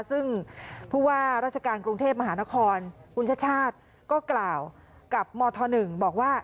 ซึ่งผู้ว่าราชการกรุงเทพมหานครคุณชาติชาติก็กล่าวกับมธ๑บอกว่า